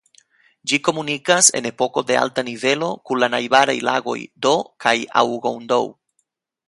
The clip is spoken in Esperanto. Ĝi komunikas en epoko de alta nivelo kun la najbaraj lagoj Do kaj Aougoundou.